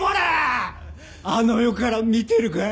あの世から見てるかい？